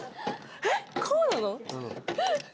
えっこうなの？